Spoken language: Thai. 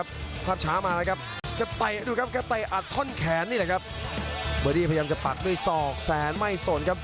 เบอร์ดี้พยายามจะปั๊กด้วยซองแสนไม่สนครับ